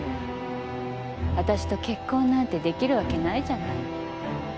わたしと結婚なんてできるわけないじゃない。